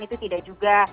itu tidak juga